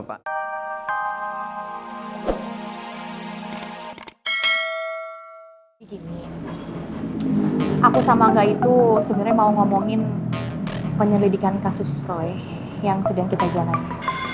aku sama enggak itu sebenarnya mau ngomongin penyelidikan kasus roy yang sedang kita jalani